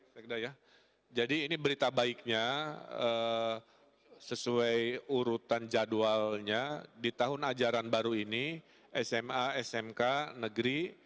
sekda ya jadi ini berita baiknya sesuai urutan jadwalnya di tahun ajaran baru ini sma smk negeri